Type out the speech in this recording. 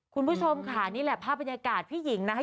คุณผู้ชมค่ะนี่แหละภาพบรรยากาศพี่หญิงนะคะ